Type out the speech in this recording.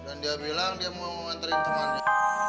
dan dia bilang dia mau menginterin temannya